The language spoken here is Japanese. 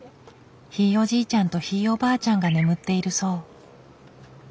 ひいおじいちゃんとひいおばあちゃんが眠っているそう。